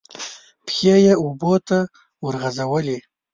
پښې یې اوبو ته ورغځولې.